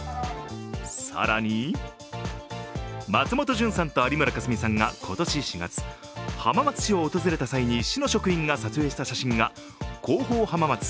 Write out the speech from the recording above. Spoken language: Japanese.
更に、松本潤さんと有村架純さんが今年４月、浜松市を訪れた際に市の職員が撮影した写真が「広報はままつ」